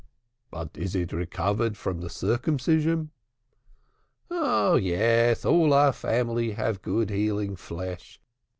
"But is it recovered from the circumcision?" "Oh, yes, all our family have good healing flesh.